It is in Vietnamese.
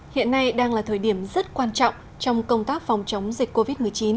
hiện nay đang là thời điểm rất quan trọng trong công tác phòng chống dịch covid một mươi chín